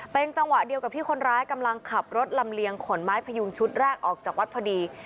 เป็นจังหวะเดียวกับที่คนร้ายกำลังขับรถลำเลียงขนไม้พยุงชุดแรกออกจากวัดพอดี